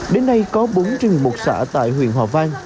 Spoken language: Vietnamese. đến nay có bốn trường hợp một xã tại huyện hòa vang